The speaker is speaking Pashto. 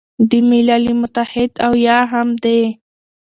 د ملل متحد او یا هم د